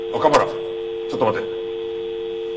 ちょっと待て。